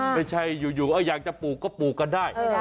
ไม่ใช่อยู่อยากจะปลูกก็ปลูกกันได้